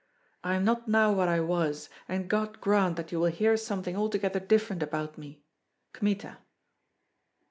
I am not now what I was, and God grant that you will hear something altogether different about me. Kmita.